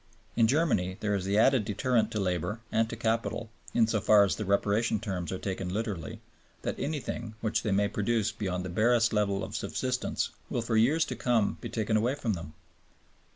In Germany there is the added deterrent to labor and to capital (in so far as the Reparation terms are taken literally), that anything, which they may produce beyond the barest level of subsistence, will for years to come be taken away from them.